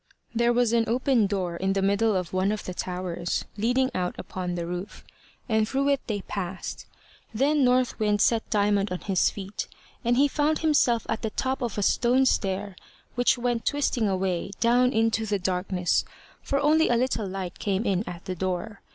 There was an open door in the middle of one of the towers, leading out upon the roof, and through it they passed. Then North Wind set Diamond on his feet, and he found himself at the top of a stone stair, which went twisting away down into the darkness for only a little light came in at the door.